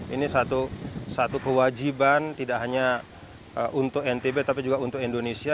ini satu kewajiban tidak hanya untuk ntb tapi juga untuk indonesia